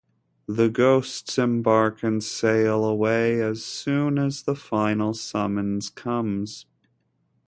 The ghosts embark and sail away as soon as the final summons comes.